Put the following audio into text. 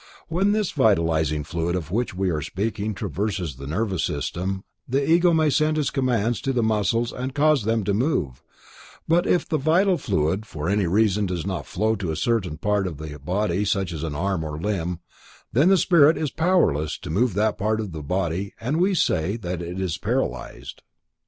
When this vitalizing fluid of which we are speaking traverses the nervous system, the Ego may send his commands to the muscles and cause them to move but if the vital fluid for any reason does not flow into a certain part of the body such as an arm or a limb, then the spirit is powerless to move that part of the body and we say that it is paralyzed.